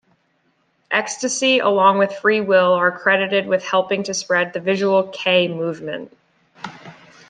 Extasy along with Free-Will are credited with helping to spread the visual kei movement.